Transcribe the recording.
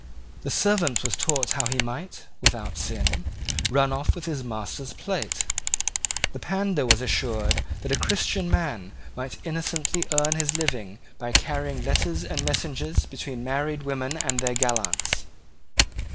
The servant was taught how he might, without sin, run off with his master's plate. The pandar was assured that a Christian man might innocently earn his living by carrying letters and messages between married women and their gallants.